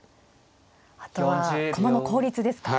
あとは駒の効率ですか。